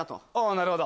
なるほど。